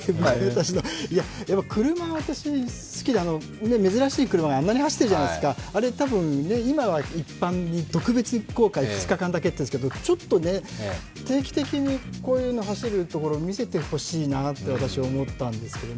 私は車が好きなので、珍しい車があんなに走ってるじゃないですか、あれ多分、一般に特別公開、２日間だけっていうんですけどちょっと定期的にこういう走るところを見せてほしいなって私、思ったんですけど。